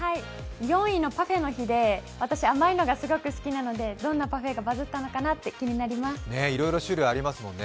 ４位のパフェの日で私甘いのがすごい好きなのでどんなパフェがバズったのか気になります。